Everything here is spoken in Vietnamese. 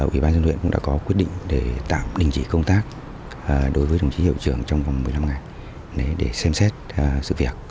ủy ban dân huyện cũng đã có quyết định để tạm đình chỉ công tác đối với đồng chí hiệu trưởng trong vòng một mươi năm ngày để xem xét sự việc